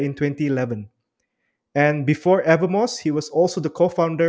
dan sebelum evermose dia juga adalah co founder